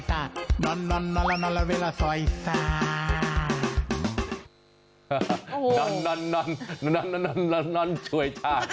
ช่วยซอยซอยช่วย